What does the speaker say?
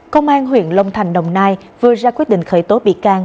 công an huyện long thành đồng nai vừa ra quyết định khởi tố bị can